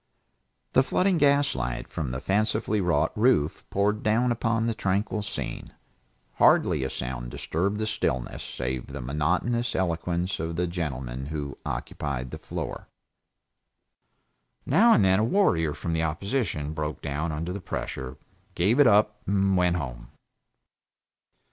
The flooding gaslight from the fancifully wrought roof poured down upon the tranquil scene. Hardly a sound disturbed the stillness, save the monotonous eloquence of the gentleman who occupied the floor. Now and then a warrior of the opposition broke down under the pressure, gave it up, and went home.